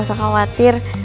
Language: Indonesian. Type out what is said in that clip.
ntar lo juga tau